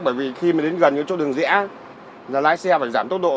bởi vì khi mà đến gần cái chỗ đường dã là lái xe phải giảm tốc độ